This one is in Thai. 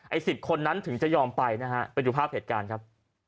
ไอ้๑๐คนนั้นถึงจะยอมไปนะฮะเป็นอยู่ภาพเหตุการณ์ครับ